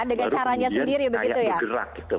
dengan caranya sendiri begitu ya